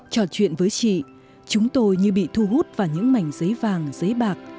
trò chuyện với chị chúng tôi như bị thu hút vào những mảnh giấy vàng giấy bạc